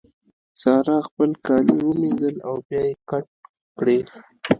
سارا خپل کالي ومينځل او بيا يې کت کړې.